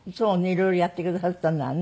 色々やってくださったのはね。